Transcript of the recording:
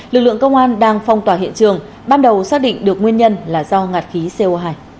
lực lượng công an đang phong tỏa hiện trường ban đầu xác định được nguyên nhân là do ngạt khí co hai